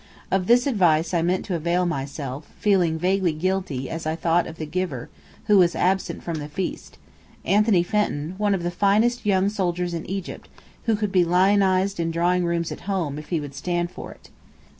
Of this advice I meant to avail myself, feeling vaguely guilty as I thought of the giver, who was absent from the feast: Anthony Fenton, one of the finest young soldiers in Egypt, who could be lionized in drawing rooms at home if he would "stand for it"!